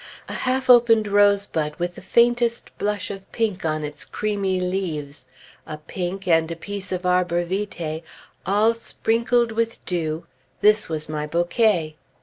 A half opened rosebud with the faintest blush of pink on its creamy leaves a pink, and a piece of arbor vitæ, all sprinkled with dew, this was my bouquet.